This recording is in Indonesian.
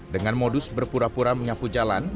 dengan modus berpura pura menyapu jalan